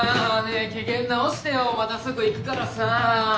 え機嫌直してよまたすぐ行くからさ。